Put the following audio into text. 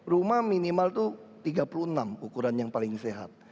rumah minimal itu tiga puluh enam ukuran yang paling sehat